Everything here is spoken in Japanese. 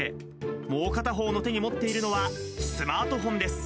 もう片方の手に持っているのはスマートフォンです。